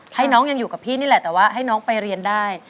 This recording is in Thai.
ให้น้องยังอยู่กับพี่นี่แหละแต่ว่าให้น้องไปเรียนได้